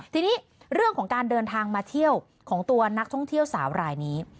ทีนี้เรื่องของการเดินทางมาเที่ยวของตัวนักท่องเที่ยวสาวรายนี้